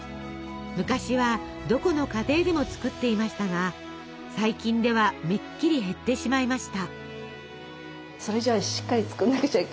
昔はどこの家庭でも作っていましたが最近ではめっきり減ってしまいました。